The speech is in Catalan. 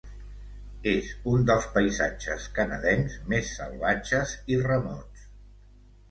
És un dels paisatges canadencs més salvatges i remots.